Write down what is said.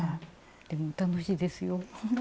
でも楽しいですよ。